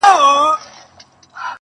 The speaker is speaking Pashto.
چا ويل د غرونو په سر لار جوړېږي